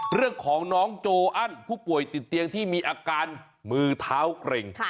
เรื่องของน้องโจอันผู้ป่วยติดเตียงที่มีอาการมือเท้าเกร็ง